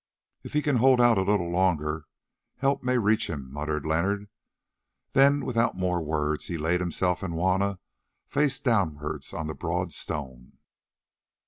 "If he can hold out a little longer, help may reach him," muttered Leonard. Then without more words, he laid himself and Juanna face downwards on the broad stone.